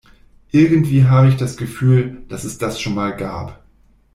Irgendwie habe ich das Gefühl, dass es das schon mal gab.